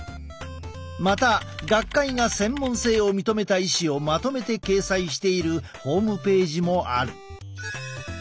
また学会が専門性を認めた医師をまとめて掲載しているホームページもある。